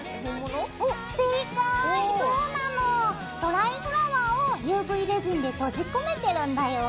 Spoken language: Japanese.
ドライフラワーをＵＶレジンで閉じ込めてるんだよ。